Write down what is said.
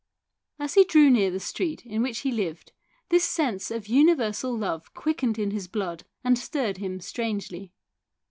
As he drew near the street in which he lived this sense of universal love quickened in his blood and stirred him strangely.